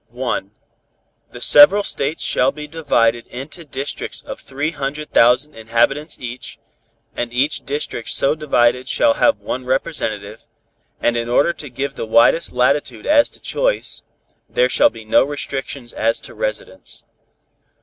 The several states shall be divided into districts of three hundred thousand inhabitants each, and each district so divided shall have one representative, and in order to give the widest latitude as to choice, there shall be no restrictions as to residence.